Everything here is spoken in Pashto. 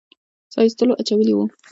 ساه ایستلو اچولي وو.